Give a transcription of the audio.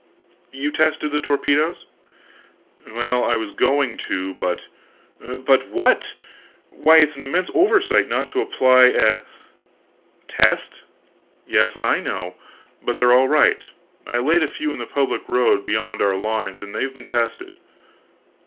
"You tested the torpedoes?" "Well, I was going to, but " "But what? Why, it's an immense oversight not to apply a " "Test? Yes, I know; but they're all right; I laid a few in the public road beyond our lines and they've been tested."